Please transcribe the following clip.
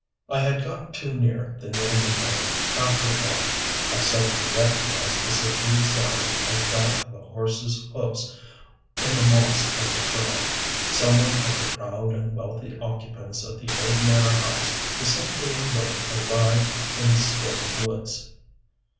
I had got too near the Nealman home, after all. I suddenly recognized the subdued sound as that of a horse's hoofs in the moss of the trail. Some one of the proud and wealthy occupants of the old manor house was simply enjoying a ride in the still woods.